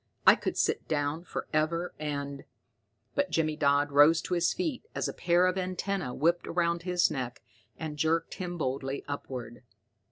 I could sit down for ever, and " But Jimmy Dodd rose to his feet as a pair of antenna whipped round his neck and jerked him bodily upward.